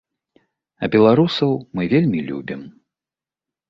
А беларусаў мы вельмі любім!